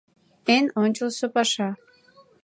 ЭН ОНЧЫЛСО ПАША